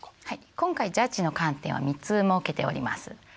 今回ジャッジの観点は３つ設けております。